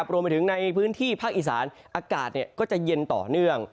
รวมไปถึงในพื้นที่ภาคอีสานอากาศก็จะเย็นต่อเนื่อง